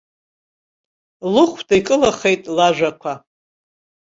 Лыхәда икылахеит лажәақәа.